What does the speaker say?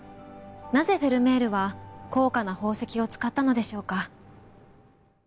なぜフェルメールは高価な宝石を使ったのでしょうか。